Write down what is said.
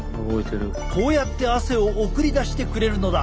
こうやって汗を送り出してくれるのだ。